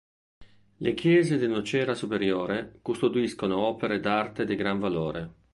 Le chiese di Nocera Superiore custodiscono opere d'arte di gran valore.